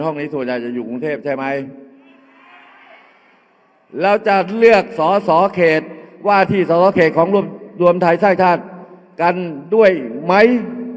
ส่วนใหญ่จะอยู่กรุงเทพใช่ไหมแล้วจะเลือกสอสอเขตว่าที่สอสอเขตของรวมรวมไทยสร้างชาติกันด้วยไหม